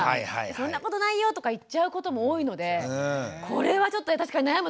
そんなことないよとか言っちゃうことも多いのでこれはちょっと確かに悩むとこですよね。